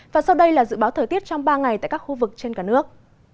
và sau đây là dự báo thời tiết trong ba ngày tại các khu vực trên cả nước